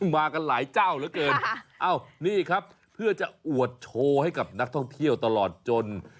มากันหลายเจ้าเหลือเกินนี่ครับเพื่อจะอวดโชว์ให้กับนักท่องเที่ยวตลอดจน